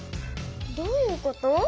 どういうこと？